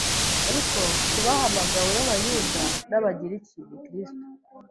ariko ku bahamagawe b’Abayuda n’Abagiriki ni Kristo;